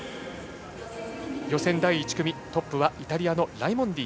予選第１組トップはイタリアのライモンディ。